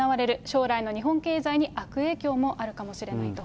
将来の日本経済に悪影響もあるかもしれないと。